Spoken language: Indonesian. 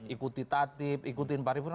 ikuti tatip ikuti paripura